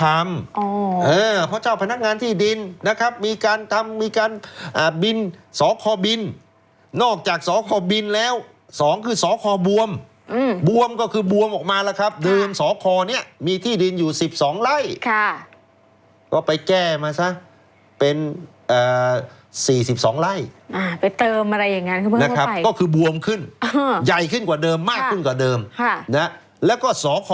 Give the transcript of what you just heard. ฟังว่าฟังว่าฟังว่าฟังว่าฟังว่าฟังว่าฟังว่าฟังว่าฟังว่าฟังว่าฟังว่าฟังว่าฟังว่าฟังว่าฟังว่าฟังว่าฟังว่าฟังว่าฟังว่าฟังว่าฟังว่าฟังว่าฟังว่าฟังว่าฟังว่าฟังว่าฟังว่าฟังว่าฟังว่าฟังว่าฟังว่าฟัง